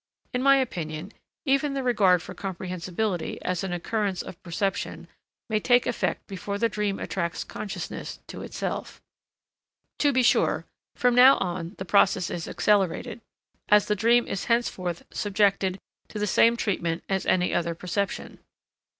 In my opinion, even the regard for comprehensibility as an occurrence of perception may take effect before the dream attracts consciousness to itself. To be sure, from now on the process is accelerated, as the dream is henceforth subjected to the same treatment as any other perception.